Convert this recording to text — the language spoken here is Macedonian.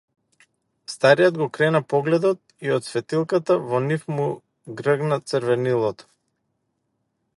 Стариот го крена погледот и од светилката во нив му гргна црвенило.